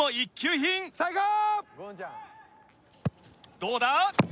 どうだ？